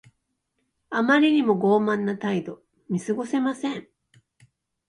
あまりにも傲慢な態度。見過ごせません。